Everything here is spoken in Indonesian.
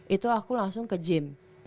itu aku langsung ke gym